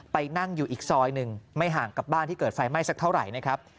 ไปนั่งอยู่อีกซอยหนึ่งไม่ห่างกับบ้านที่เกิดไฟไหม้สักเท่าไหร่นะครับ